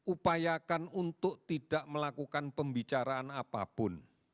upayakan untuk tidak melakukan pembicaraan apapun